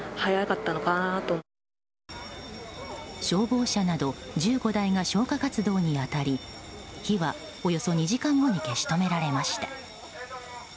消防車など１５台が消火活動に当たり火はおよそ２時間後に消し止められました。